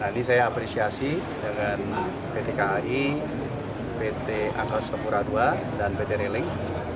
ini saya apresiasi dengan pt kai pt angkos kepura ii dan pt releng